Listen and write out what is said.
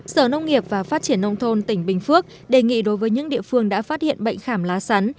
sở nông nghiệp và phát triển nông thôn tỉnh bình phước đề nghị đối với những địa phương đã phát hiện bệnh khảm lá sắn